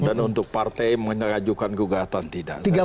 dan untuk partai mengejukan gugatan tidak